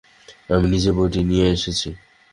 আমি নিজেই বইটি নিয়ে এসেছি।